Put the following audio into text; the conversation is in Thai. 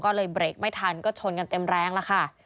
ก็เลยเบรกไม่ทันก็ชนกันเต็มแรงแล้วค่ะ